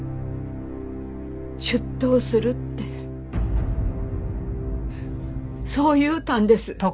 出頭するってそう言うたんです。